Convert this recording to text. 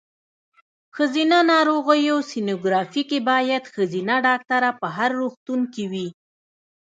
ښځېنه ناروغیو سینوګرافي کې باید ښځېنه ډاکټره په هر روغتون کې وي.